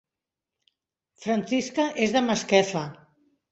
Francisca és de Masquefa